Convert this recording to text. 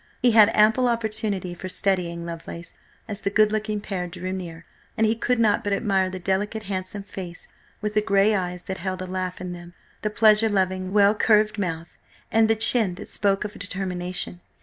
He had ample opportunity for studying Lovelace as the good looking pair drew near, and he could not but admire the delicate, handsome face with the grey eyes that held a laugh in them, the pleasure loving, well curved mouth, and the chin that spoke of determination.